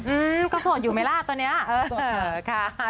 อืมก็โสดอยู่ไหมล่ะตอนนี้โสดเถอะค่ะ